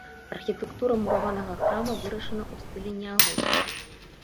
Архітэктура мураванага храма вырашана ў стылі неаготыкі.